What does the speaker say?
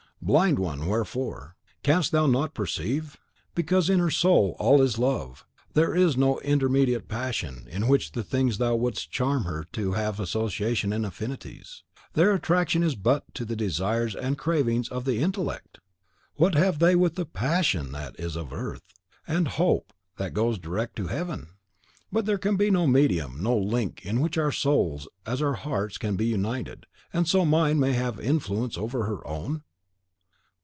Blind one, wherefore? canst thou not perceive? Because in her soul all is love. There is no intermediate passion with which the things thou wouldst charm to her have association and affinities. Their attraction is but to the desires and cravings of the INTELLECT. What have they with the PASSION that is of earth, and the HOPE that goes direct to heaven?" "But can there be no medium no link in which our souls, as our hearts, can be united, and so mine may have influence over her own?"